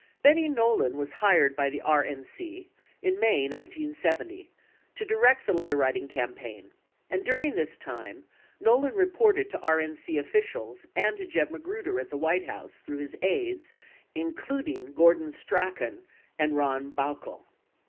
38 Betty Nolan was hired by the RNC in May, 1970, to direct the letter writing campaign and during this time, Nolan reported to RNC offi cials and to Jeb Magruder at the White House through his aides, including Gordon Strachan and Ron Baukol.